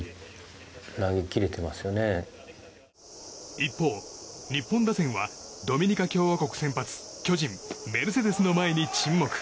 一方、日本打線はドミニカ共和国先発巨人、メルセデスの前に沈黙。